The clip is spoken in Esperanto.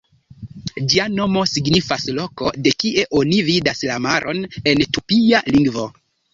Ĝia nomo signifas "loko de kie oni vidas la maron" en tupia lingvo.